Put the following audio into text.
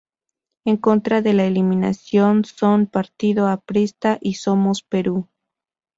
En contra de la eliminación son: Partido Aprista y Somos Perú.